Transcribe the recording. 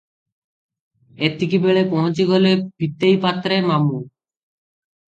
ଏତିକିବେଳେ ପହଞ୍ଚିଗଲେ ପିତେଇ ପାତ୍ରେ, ମାମୁଁ ।